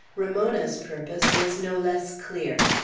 Ramona's purpose was no less clear.